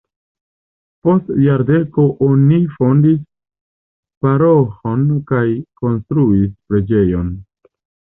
Post jardeko oni fondis paroĥon kaj konstruis preĝejon.